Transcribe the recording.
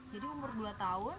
jadi umur dua tahun